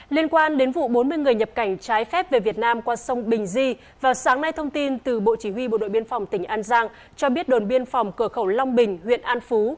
liên quan đến vụ bốn mươi người nhập cảnh trái phép về việt nam qua sông bình di vào sáng nay thông tin từ bộ chỉ huy bộ đội biên phòng tỉnh an giang cho biết đồn biên phòng cửa khẩu long bình huyện an phú